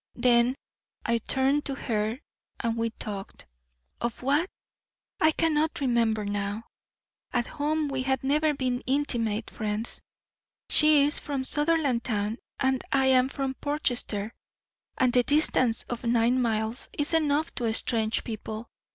Then I turned to her and we talked. Of what? I cannot remember now. At home we had never been intimate friends. She is from Sutherlandtown and I am from Portchester, and the distance of nine miles is enough to estrange people.